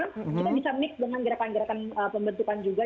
kita bisa mix dengan gerakan gerakan pembentukan juga